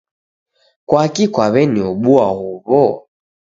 kwaki kwaw'eniobua huwo?